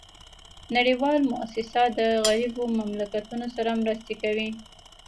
نړیوال موسسات د غریبو مملکتونو سره مرستي کوي